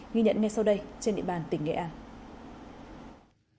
ghi nhận ngay sau đây trên địa bàn tỉnh nghệ an